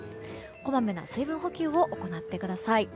こまめな水分補給を行ってください。